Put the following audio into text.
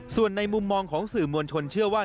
ส่วนในมุมมองของสื่อมวลชนเชื่อว่า